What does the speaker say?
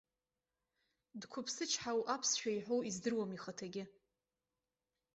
Дқәыԥсычҳау аԥсшәа иҳәоу издыруам ихаҭагьы.